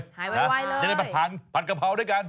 หายไวเลยจะได้ผัดผัดกะเพราด้วยกัน